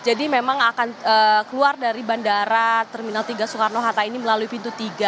jadi memang akan keluar dari bandara terminal tiga soekarno hatta ini melalui pintu tiga